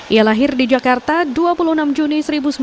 ia lahir di jakarta dua puluh enam juni seribu sembilan ratus sembilan puluh